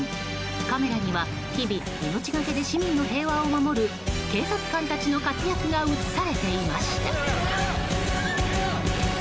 カメラには日々命がけで市民の平和を守る警察官たちの活躍が映されていました。